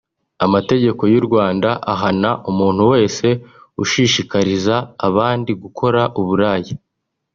amategeko y’u Rwanda ahana umuntu wese ushishikariza abandi gukora uburaya